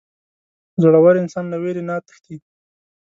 • زړور انسان له وېرې نه تښتي.